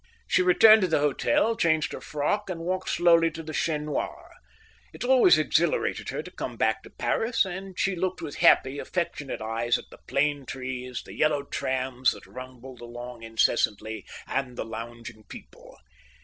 She returned to the hotel, changed her frock, and walked slowly to the Chien Noir. It always exhilarated her to come back to Paris; and she looked with happy, affectionate eyes at the plane trees, the yellow trams that rumbled along incessantly, and the lounging people.